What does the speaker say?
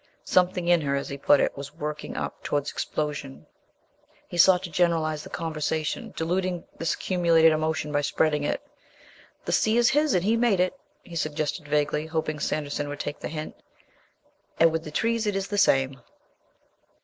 Something in her, as he put it, was "working up" towards explosion. He sought to generalize the conversation, diluting this accumulated emotion by spreading it. "The sea is His and He made it," he suggested vaguely, hoping Sanderson would take the hint, "and with the trees it is the same...."